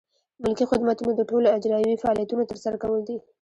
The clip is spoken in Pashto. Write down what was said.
ملکي خدمتونه د ټولو اجرایوي فعالیتونو ترسره کول دي.